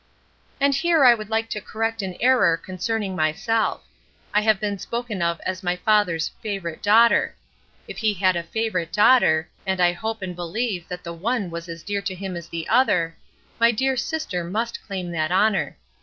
And here I would like to correct an error concerning myself. I have been spoken of as my father's "favorite daughter." If he had a favorite daughter—and I hope and believe that the one was as dear to him as the other—my dear sister must claim that honor.